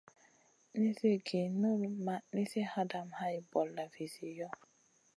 Nizi gi null ma nizi hadamèh hay bolla vizi yoh.